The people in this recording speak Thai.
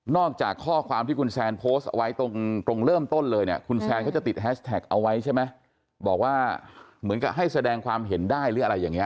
อกจากข้อความที่คุณแซนโพสต์เอาไว้ตรงเริ่มต้นเลยเนี่ยคุณแซนเขาจะติดแฮชแท็กเอาไว้ใช่ไหมบอกว่าเหมือนกับให้แสดงความเห็นได้หรืออะไรอย่างนี้